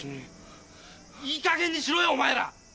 いいかげんにしろよお前ら！